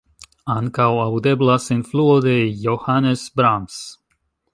Ankaŭ aŭdeblas influo de Johannes Brahms.